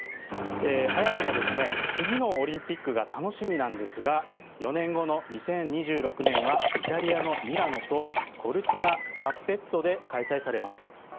早くも次のオリンピックが楽しみなんですが４年後の２０２６年はイタリアのミラノとコルティナダンペッツォで開催されます。